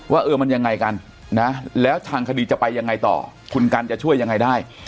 ว่าเออมันยังไงกันนะแล้วทางคดีจะไปยังไงต่อคุณกันจะช่วยยังไงได้